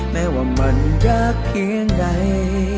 แม้ว่ามันยากเพียงใด